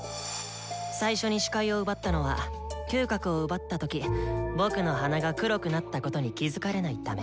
最初に視界を奪ったのは嗅覚を奪った時僕の鼻が黒くなったことに気付かれないため。